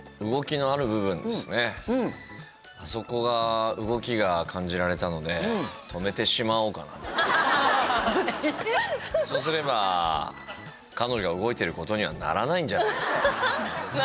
あそこが動きが感じられたのでそうすれば彼女が動いていることにはならないんじゃないかと。